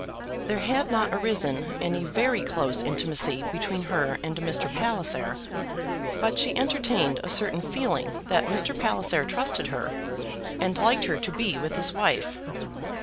There had not arisen any very close intimacy between her and Mr. Palliser, but she entertained a certain feeling that Mr. Palliser trusted her, and liked her to be with his wife.